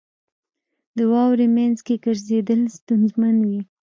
• د واورې مینځ کې ګرځېدل ستونزمن وي.